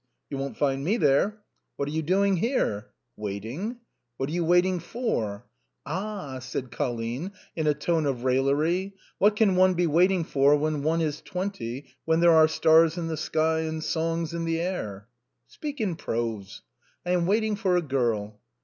" You won't find m.e there." " What are you doing here ?"" Waiting." " What are you waiting for ?"" Ah !" said Colline in a tone of raillery, " what can one be waiting for when one is twenty, when there are stars in the sky and songs in the air ?"" Speak in prose." " I am waiting for a girl."